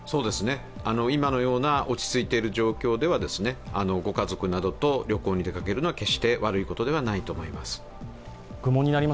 今のような落ち着いている状況ではご家族などと旅行に出かけるのは決して悪いことではないと思います。